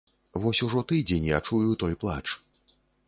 Вось ужо тыдзень я чую той плач.